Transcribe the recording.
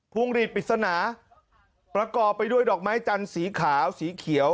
วงหลีดปริศนาประกอบไปด้วยดอกไม้จันทร์สีขาวสีเขียว